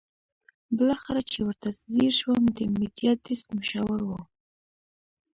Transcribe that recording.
بالاخره چې ورته ځېر شوم د میډیا ډیسک مشاور وو.